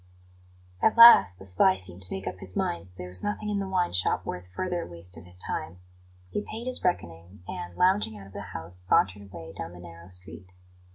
At last the spy seemed to make up his mind that there was nothing in the wine shop worth further waste of his time. He paid his reckoning, and, lounging out of the house, sauntered away down the narrow street.